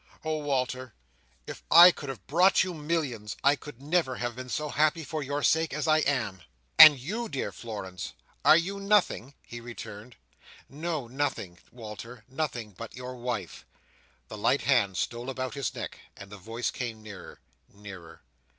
Oh, Walter, if I could have brought you millions, I never could have been so happy for your sake, as I am!" "And you, dear Florence? are you nothing?" he returned. "No, nothing, Walter. Nothing but your wife." The light hand stole about his neck, and the voice came nearer—nearer.